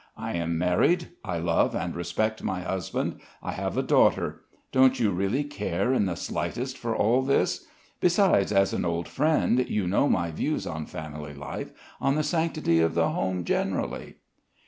I am married, I love and respect my husband. I have a daughter. Don't you really care in the slightest for all this? Besides, as an old friend, you know my views on family life ... on the sanctity of the home, generally."